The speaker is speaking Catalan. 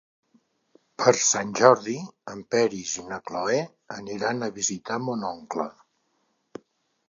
Per Sant Jordi en Peris i na Cloè aniran a visitar mon oncle.